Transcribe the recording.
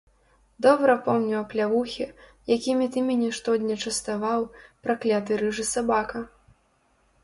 Добра помню аплявухі, якімі ты мяне штодня частаваў, пракляты рыжы сабака!